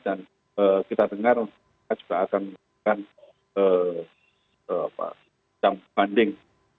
dan kita dengar juga akan menunjukkan jam banding